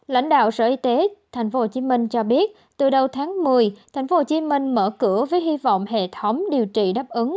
lãnh đạo sở y tế tp hcm cho biết từ đầu tháng một mươi tp hcm mở cửa với hy vọng hệ thống điều trị đáp ứng